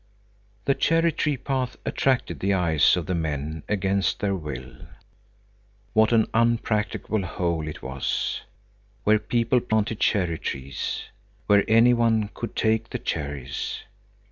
The cherry tree path attracted the eyes of the men against their will. What an unpractical hole it was, where people planted cherry trees, where any one could take the cherries.